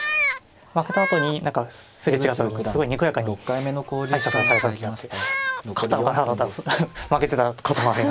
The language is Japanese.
負けたあとに何か擦れ違った時にすごいにこやかに挨拶をされた時は勝ったのかなと思ったら負けてたこともありますし。